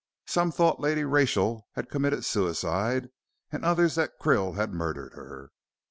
Some thought Lady Rachel had committed suicide, and others that Krill had murdered her.